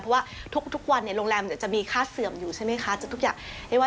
เพราะว่าทุกวันโรงแรมจะมีค่าเสื่อมอยู่ใช่ไหมคะทุกอย่าง